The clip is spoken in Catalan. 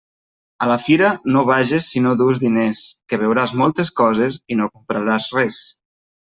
A la fira no vages si no dus diners, que veuràs moltes coses i no compraràs res.